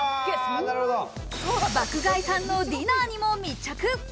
爆買いさんのディナーにも密着。